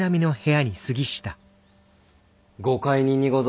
ご懐妊にございますか。